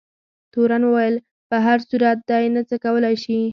تورن وویل په هر صورت دی نه څه کولای شي.